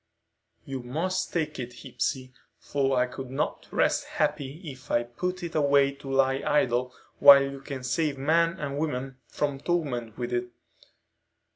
"You must take it, Hepsey, for I could not rest happy if I put it away to lie idle while you can save men and women from torment with it.